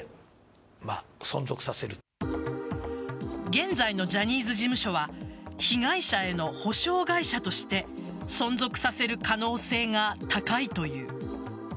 現在のジャニーズ事務所は被害者への補償会社として存続させる可能性が高いという。